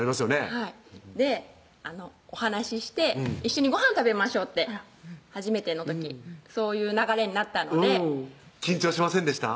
はいお話しして「一緒にごはん食べましょう」って初めての時そういう流れになったので緊張しませんでした？